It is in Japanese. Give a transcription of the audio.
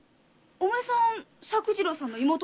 お前さん作次郎さんの妹かい？